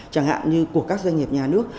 chẳng hạn như của các doanh nghiệp nhà nước